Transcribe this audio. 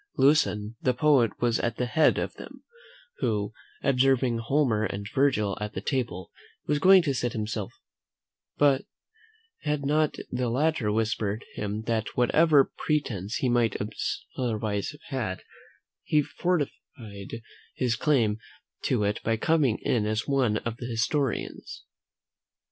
Lucan the poet was at the head of them, who, observing Homer and Virgil at the table, was going to sit down himself, had not the latter whispered him that whatever pretence he might otherwise have had, he forfeited his claim to it by coming in as one of the historians.